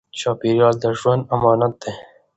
چاپېریال د ژوند امانت دی.